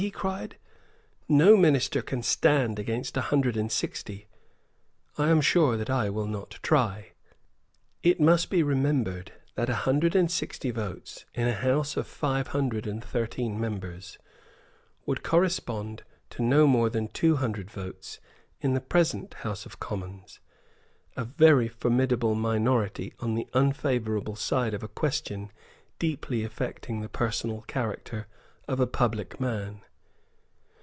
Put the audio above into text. he cried: "No minister can stand against a hundred and sixty. I am sure that I will not try." It must be remembered that a hundred and sixty votes in a House of five hundred and thirteen members would correspond to more than two hundred votes in the present House of Commons; a very formidable minority on the unfavourable side of a question deeply affecting the personal character of a public man.